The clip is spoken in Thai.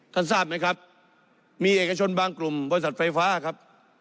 ทราบไหมครับมีเอกชนบางกลุ่มบริษัทไฟฟ้าครับ